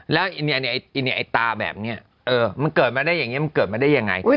แล้วไอ้ตาแบบนี้มันเกิดมาได้อย่างนี้มันเกิดมาได้ยังไง